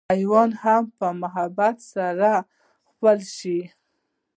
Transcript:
حېوان هم پۀ محبت د سړي خپل شي